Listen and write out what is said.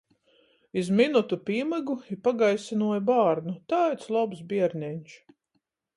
Iz minutu pīmygu i pagaisynuoju bārnu... Taids lobs bierneņš!